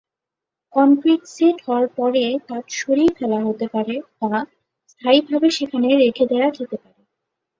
Concrete set হওয়ার পরে কাঠ সরিয়ে ফেলা হতে পারে বা স্থায়ীভাবে সেখানে রেখে দেওয়া যেতে পারে।